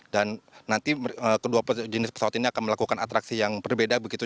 dan nanti kedua jenis pesawat ini akan melakukan atraksi yang berbeda begitu